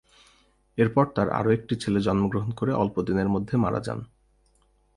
এরপর তার আরোও একটি ছেলে জন্মগ্রহণ করে অল্প দিনের মধ্যে মারা যান।